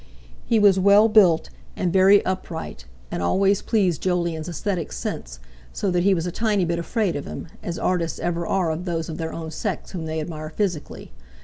He was well built and very upright, and always pleased Jolyon's aesthetic sense, so that he was a tiny bit afraid of him, as artists ever are of those of their own sex whom they admire physically.